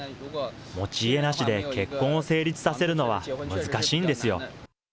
持ち家なしで結婚を成立させるのは難しいんですよ。